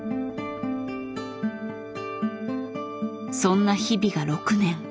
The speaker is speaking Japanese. そんな日々が６年。